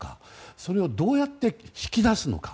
それを、どうやって引き出すのか。